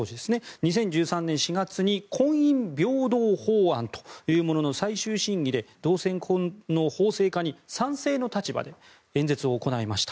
２０１３年４月に婚姻平等法案というものの最終審議で同性婚の法制化に賛成の立場で演説を行いました。